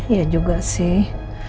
iya juga sih